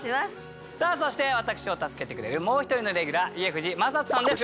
さあそして私を助けてくれるもう一人のレギュラー家藤正人さんです